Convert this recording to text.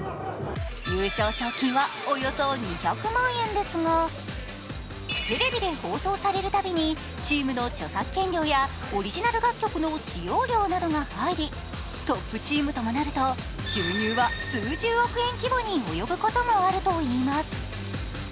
優勝賞金はおよそ２００万円ですがテレビで放送されるたびにチームの著作権料やオリジナル楽曲の使用料などが入り、トップチームともなると、収入は数十億円規模に及ぶこともあるといいます。